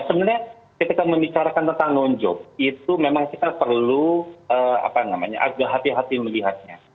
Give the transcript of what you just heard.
sebenarnya ketika membicarakan tentang nonjok itu memang kita perlu agak hati hati melihatnya